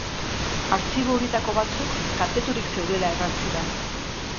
Artxibo horietako batzuk kalteturik zeudela erran zidan.